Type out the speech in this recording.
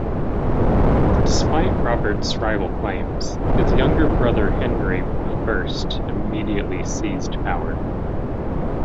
Despite Robert's rival claims, his younger brother Henry I immediately seized power.